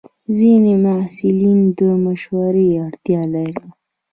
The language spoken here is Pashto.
ځینې محصلین د مشورې اړتیا لري.